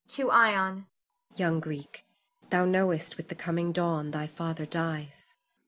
[To Ion.] Young Greek, thou knowest with the coming dawn thy father dies.